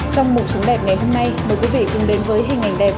trong mục chứng đẹp ngày hôm nay mời quý vị cùng đến với hình ảnh đẹp